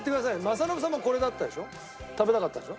政伸さんもこれだったでしょ？